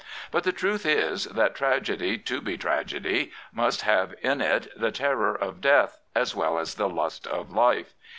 But the truth is that tragedy to, be tragedy must have in it the teirror of death as well as the lust of life.